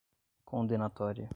condenatória